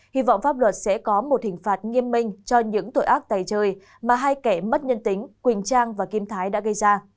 hy vọng pháp luật sẽ có một hình phạt nghiêm minh cho những tội ác tài trời mà hai kẻ mất nhân tính quỳnh trang và kim thái đã gây ra